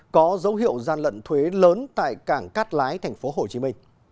có dấu hiệu gian lận thuế lớn tại cảng cát lái tp hcm